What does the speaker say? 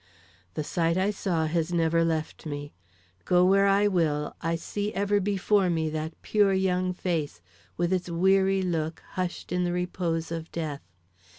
The sight I saw has never left me. Go where I will, I see ever before me that pure young face, with its weary look hushed in the repose of death.